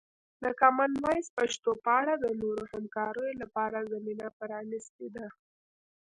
د کامن وایس پښتو په اړه د نورو همکاریو لپاره زمینه پرانیستې ده.